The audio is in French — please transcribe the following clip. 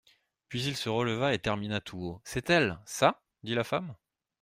Puis il se releva et termina tout haut : C'est elle ! Ça ? dit la femme.